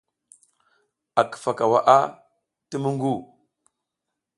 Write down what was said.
A kifa ka waʼa ti muƞgu.